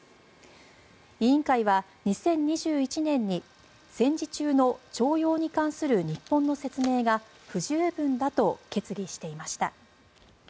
委員会は２０２１年に戦時中の徴用に関する日本の説明が不十分だと決議していました。